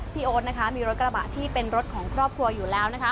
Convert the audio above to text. พี่โอ๊ดมีรถกระบะที่เป็นรถของครอบครัวอยู่แล้ว